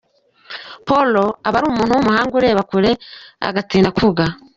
Paul aba ri umuntu w’umuhanga ureba kure, agatinda kuvuga.